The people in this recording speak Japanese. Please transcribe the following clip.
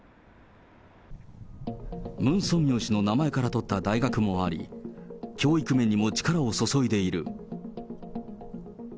ムン・ソンミョン氏の名前から取ったという大学もあり、教育面にも力を注いでいる。